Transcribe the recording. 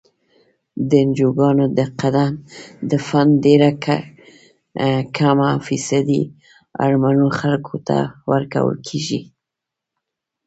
د انجوګانو د فنډ ډیره کمه فیصدي اړمنو خلکو ته ورکول کیږي.